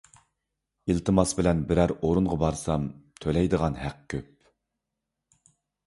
ئىلتىماس بىلەن بىرەر ئورۇنغا بارسام تۆلەيدىغان ھەق كۆپ.